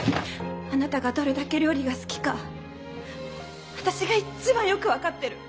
あなたがどれだけ料理が好きか私が一番よく分かってる。